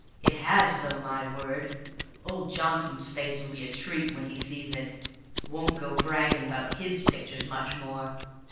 It has, though, MY word! Old Johnson's face will be a treat when he sees it; won't go bragging about HIS pictures much more.